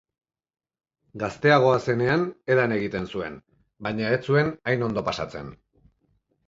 Gazteagoa zenean edan egiten zuen, baina ez zuen hain ondo pasatzen.